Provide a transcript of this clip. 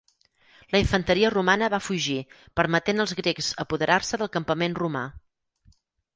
La infanteria romana va fugir permetent als grecs apoderar-se del campament romà.